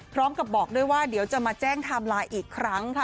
พร้อมกับบอกด้วยว่าเดี๋ยวจะมาแจ้งไทม์ไลน์อีกครั้งค่ะ